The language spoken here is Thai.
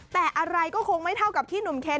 แต่อะไรก็คงไม่เท่ากับที่หนุ่มเค้ก